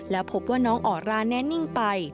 แล้วพบว่าน้องออร่าแน่นิ่งไป